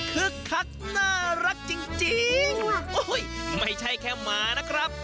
คักน่ารักจริงไม่ใช่แค่หมานะครับ